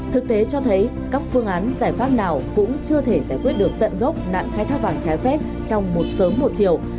thực tế cho thấy các phương án giải pháp nào cũng chưa thể giải quyết được tận gốc nạn khai thác vàng trái phép trong một sớm một chiều